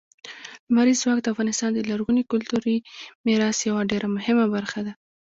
لمریز ځواک د افغانستان د لرغوني کلتوري میراث یوه ډېره مهمه برخه ده.